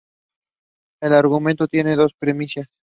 El argumento tiene dos premisas.